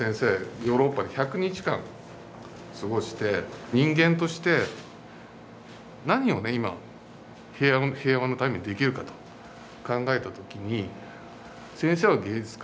ヨーロッパで１００日間過ごして人間として何をね今平和のためにできるかと考えたときに先生は芸術家。